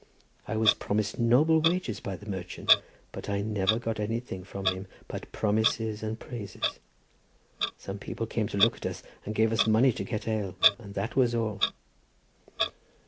I was promised noble wages by the merchant, but I never got anything from him but promises and praises. Some people came to look at us, and gave us money to get ale, and that was all."